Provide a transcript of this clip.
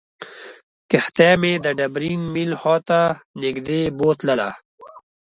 کښتۍ مې د ډبرین میل خواته نږدې بوتلله.